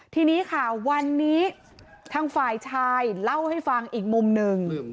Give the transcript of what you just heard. ทีนี้ค่ะวันนี้ทางฝ่ายชายเล่าให้ฟังอีกมุมหนึ่ง